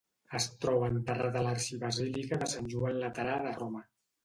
Es troba enterrat a l'Arxibasílica de Sant Joan Laterà de Roma.